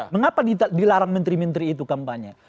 mengapa dilarang menteri menteri itu kampanye